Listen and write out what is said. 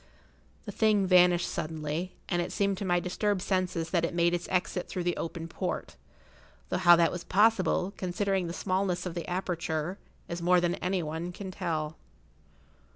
The thing vanished suddenly, and it seemed to my disturbed senses that it made its exit through the open port, though how that was possible, considering the smallness of the aperture, is more than any one can tell.